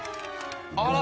あら。